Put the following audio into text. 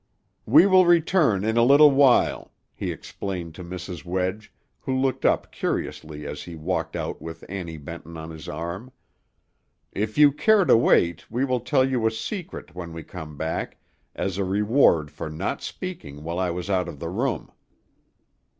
"We will return in a little while," he explained to Mrs. Wedge, who looked up curiously as he walked out with Annie Benton on his arm. "If you care to wait, we will tell you a secret when we come back, as a reward for not speaking while I was out of the room."